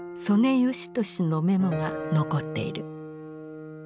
嘉年のメモが残っている。